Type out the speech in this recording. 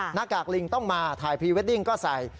หน้ากากลิงต้องมาถ่ายพรีเวดดิ้งก็ใส่